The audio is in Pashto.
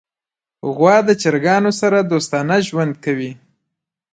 غوا د چرګانو سره دوستانه ژوند کوي.